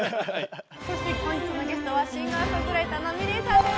そして本日のゲストはシンガー・ソングライターのｍｉｌｅｔさんです！